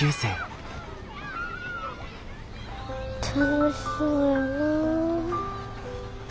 楽しそうやな。